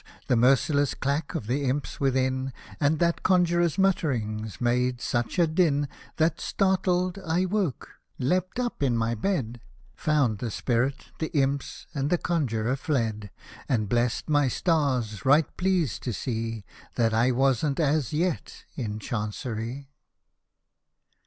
The merciless clack of the imps within. And that conjuror's mutterings, made such a din, That, startled, I woke — leaped up in my bed — Found the Spirit, the imps, and the conjuror fled, And blessed my stars, right pleased to see, That I wasn't, as yet, in Chancery.